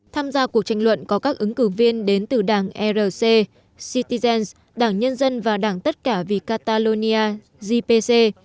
tham gia cuộc tranh luận có các ứng cử viên đến từ đảng rc citygent đảng nhân dân và đảng tất cả vì catalonia gpc